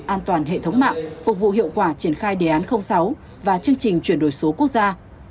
an toàn hệ thống mạng phục vụ hiệu quả triển khai đề án sáu và chương trình chuyển đổi số quốc gia